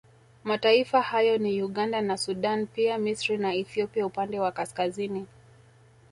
Mataifa hayo ni Uganda na Sudan pia Misri na Ethiopia upande wa kaskazini